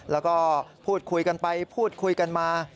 แล้วก็พูดคุยกันไปพูดคุยกันมา